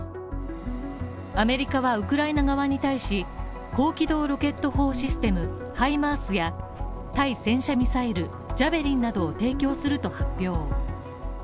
アメリカはウクライナ側に対し、高機動ロケット砲システムハイマースや対戦車ミサイルジャベリンなどを提供すると発表。